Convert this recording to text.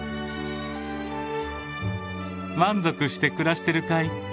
満足して暮らしてるかい？